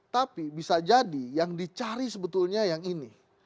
tapi bisa jadi yang dicari sebetulnya yang ini